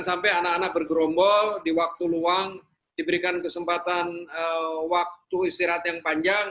sampai anak anak bergerombol di waktu luang diberikan kesempatan waktu istirahat yang panjang